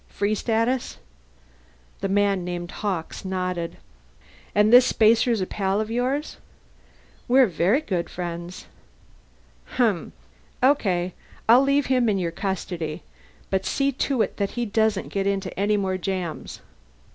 Free status?" The man named Hawkes nodded. "And this Spacer's a pal of yours?" "We're very good friends." "Umm. Okay. I'll leave him in your custody. But see to it that he doesn't get into any more jams."